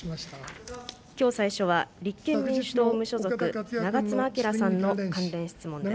きょう最初は、立憲民主党・無所属、長妻昭さんの関連質問です。